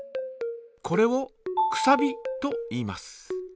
これを「くさび」といいます。